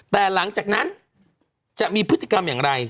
แต่หลังจากนั้นจะมีพฤติกรรมอย่างไร